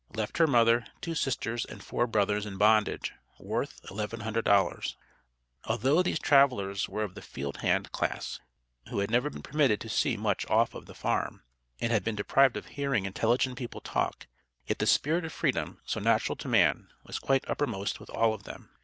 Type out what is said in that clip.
Left her mother, two sisters and four brothers in bondage. Worth $1100. Although these travelers were of the "field hand" class, who had never been permitted to see much off of the farm, and had been deprived of hearing intelligent people talk, yet the spirit of Freedom, so natural to man, was quite uppermost with all of them.